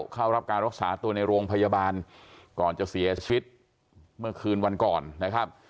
เข้ารับการรักษาตัวในโรงพยาบาลก่อนจะเสียชีวิตเมื่อคืนวันก่อนนะครับ